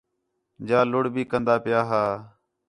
جا لُڑھ بھی کندا پِیا ہا